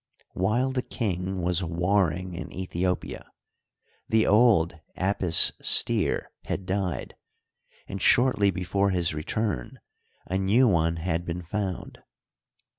While the king was warring in Aethiopia the old Apis steer had died» and shortly bemre his return a new one had been found.